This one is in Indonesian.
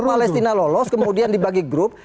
palestina lolos kemudian dibagi grup